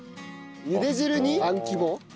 ゆで汁にあん肝。